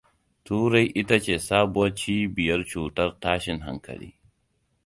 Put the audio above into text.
Turai ita ce sabon cibiyar cutar tashin hankali.